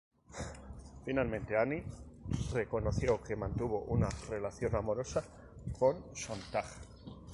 Finalmente, Annie reconoció que mantuvo una relación amorosa con Sontag.